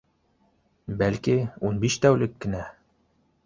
Бәлки, ун биш тәүлек кенә